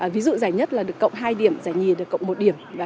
ví dụ giải nhất là được cộng hai điểm giải nhì được cộng một điểm